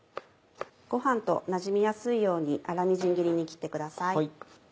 ご飯となじみやすいように粗みじん切りに切ってください。